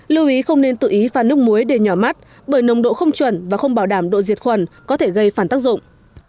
lưu ý không nên tự ý pha nước muối để nhỏ mắt bởi nồng độ không chuẩn và không bảo đảm độ diệt khuẩn có thể gây phản tác dụng